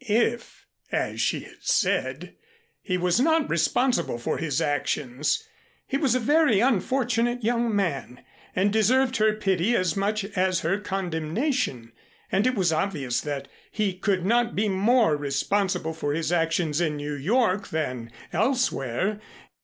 If, as she had said, he was not responsible for his actions, he was a very unfortunate young man, and deserved her pity as much as her condemnation; and it was obvious that he could not be more responsible for his actions in New York than elsewhere.